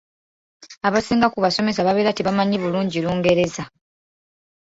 Abasinga ku basomesa babeera tebamanyi bulungi Lungereza.